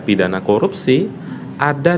pidana korupsi ada